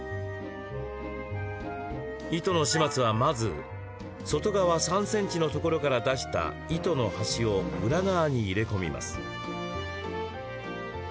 糸の始末は、まず外側３ｃｍのところから出した糸の端を裏側に入れ込みます。